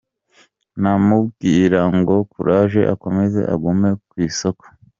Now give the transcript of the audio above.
Namubwira ngo courage akomeze agume ku isoko.